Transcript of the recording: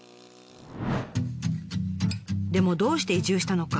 でもどうして移住したのか？